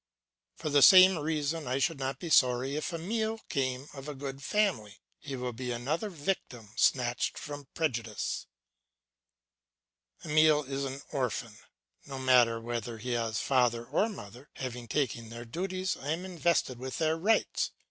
For the same reason I should not be sorry if Emile came of a good family. He will be another victim snatched from prejudice. Emile is an orphan. No matter whether he has father or mother, having undertaken their duties I am invested with their rights.